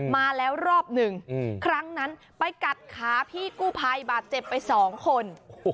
มาแล้วรอบหนึ่งครั้งนั้นไปกัดขาพี่กู้ภัยบาดเจ็บไปสองคน